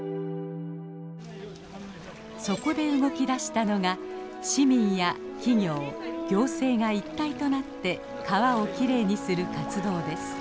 そこで動きだしたのが市民や企業行政が一体となって川をきれいにする活動です。